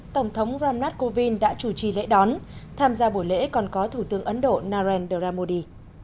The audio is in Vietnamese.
tổng thống ramnath kovind đã chủ trì lễ đón tham gia buổi lễ còn có thủ tướng ấn độ narendra modi